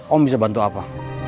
om bisa bantu apa